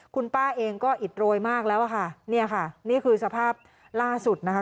คุณป้าเองก็อิดโรยมากแล้วอะค่ะเนี่ยค่ะนี่คือสภาพล่าสุดนะคะ